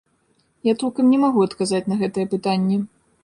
Я толкам не магу адказаць на гэтае пытанне.